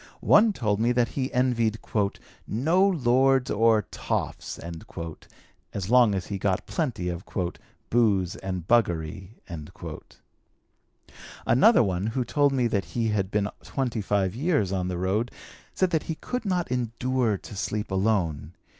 One told me that he envied 'no lords or toffs' as long as he got plenty of 'booze and buggery.' "Another one, who told me that he had been twenty five years on the road, said that he could not endure to sleep alone.